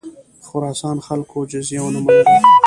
خراسان خلکو جزیه ونه منله.